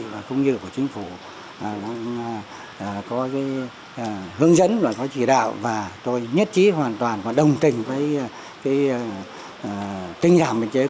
và cũng như của chính phủ có hướng dẫn và có chỉ đạo và tôi nhất trí hoàn toàn và đồng tình với cái tinh giảm biên chế